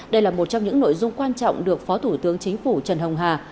đây là một trong những nội dung quan trọng được phó thủ tướng chính phủ trần hồng hà